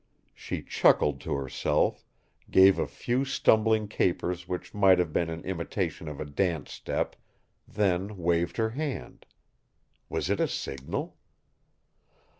She chuckled to herself, gave a few stumbling capers which might have been an imitation of a dance step, then waved her hand. Was it a signal?